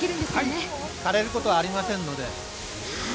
はい、かれることはありませんので。